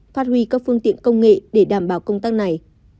phát huy các phương tiện công nghệ để đảm bảo công tác này